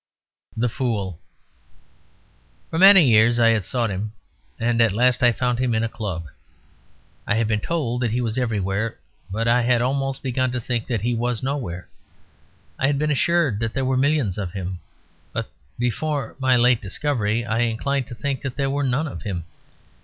THE FOOL For many years I had sought him, and at last I found him in a club. I had been told that he was everywhere; but I had almost begun to think that he was nowhere. I had been assured that there were millions of him; but before my late discovery I inclined to think that there were none of him.